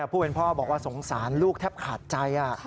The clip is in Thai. ผู้เป็นพ่อบอกว่าสงสารลูกแทบขาดใจ